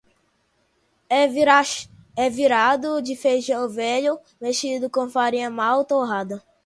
É virado de feijão velho mexido com farinha mal torrada.